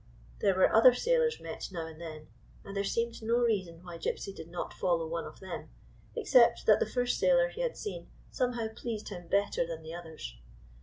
There were other sailors met now and then, and there seemed no reason why Gypsy did not follow one of them except that 130 THE SAILOR AND THE SHIP the first sailor he had seen somehow pleased him better than the others.